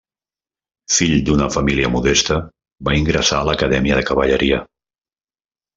Fill d'una família modesta, va ingressar a l'Acadèmia de Cavalleria.